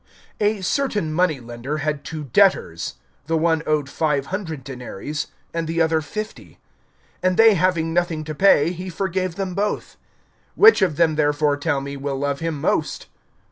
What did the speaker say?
(41)A certain money lender had two debtors. The one owed five hundred denaries[7:41], and the other fifty. (42)And they having nothing to pay, he forgave them both. Which of them therefore, tell me, will love him most?